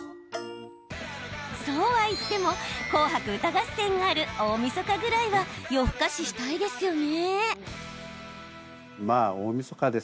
そうはいっても「紅白歌合戦」がある大みそかぐらいは夜更かししたいですよね。